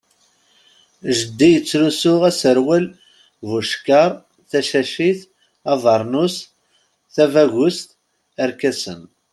Jeddi yettlusu aserwal bucekkaṛ, tacacit, abernus, tabagust, arkasen.